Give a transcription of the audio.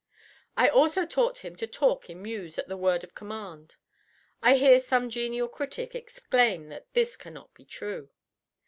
I also taught him to talk in mews at the word of command. I hear some genial critic exclaim that this cannot be true.